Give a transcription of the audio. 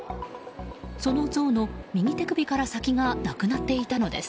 その像の右手首から先がなくなっていたのです。